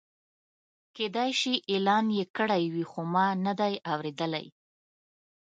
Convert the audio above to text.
کېدای شي اعلان یې کړی وي خو ما نه دی اورېدلی.